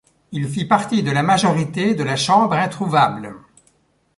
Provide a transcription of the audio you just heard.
Il fit partie de la majorité de la Chambre introuvable.